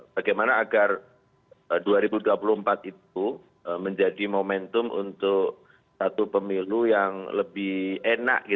bagaimana agar dua ribu dua puluh empat itu menjadi momentum untuk satu pemilu yang lebih enak